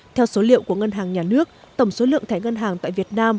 theo số liệu của ngân hàng nhà nước tổng số lượng thẻ ngân hàng tại việt nam